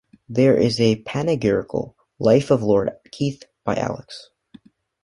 There is a panegyrical "Life of Lord Keith" by Alex.